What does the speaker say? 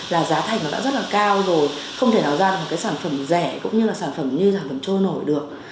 là giá thành nó đã rất là cao rồi không thể nào ra một cái sản phẩm rẻ cũng như là sản phẩm như sản phẩm trôi nổi được